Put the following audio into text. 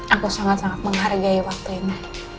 aku sangat sangat menghargai waktu ini